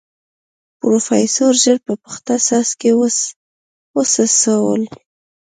پروفيسر ژر په پخته څاڅکي وڅڅول.